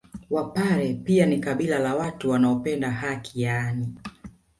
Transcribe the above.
Wapare pia ni kabila la watu wanaopenda haki yaani